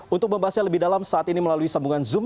untuk membahasnya lebih dalam saat ini melalui sambungan zoom